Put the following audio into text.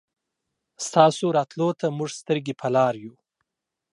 ستاسو راتلو ته مونږ سترګې په لار يو